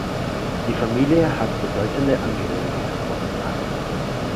Die Familie hat bedeutende Angehörige hervorgebracht.